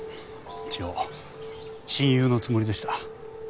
一応親友のつもりでした。